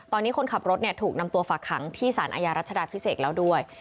ตอนนี้คนขับรถถูกนำตัวฝากขังที่สารอาญารัชดาพิเศษแล้วด้วย